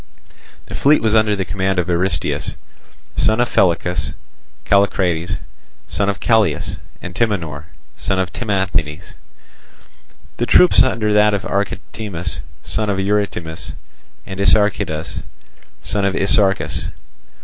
The fleet was under the command of Aristeus, son of Pellichas, Callicrates, son of Callias, and Timanor, son of Timanthes; the troops under that of Archetimus, son of Eurytimus, and Isarchidas, son of Isarchus.